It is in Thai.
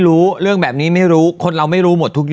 และแต่ก็ซื่อซีที่หนึ่งอันคนมันไม่ค่อยรู้หรอก